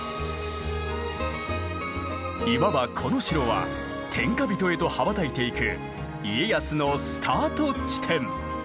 いわばこの城は天下人へと羽ばたいていく家康のスタート地点。